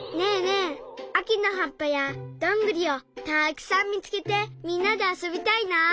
えあきのはっぱやどんぐりをたくさんみつけてみんなであそびたいな。